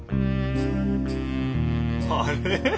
あれ？